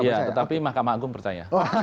iya tetapi mahkamah agung percaya